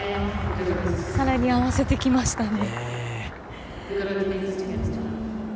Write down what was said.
さらに合わせてきましたね。